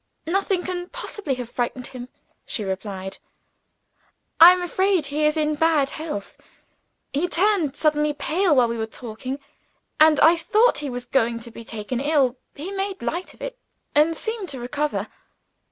"Nothing can possibly have frightened him," she replied; "I am afraid he is in bad health. He turned suddenly pale while we were talking; and I thought he was going to be taken ill; he made light of it, and seemed to recover.